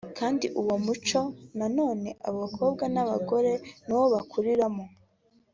kandi uwo muco na none abo bakobwa n’abagore niwo bakuriramo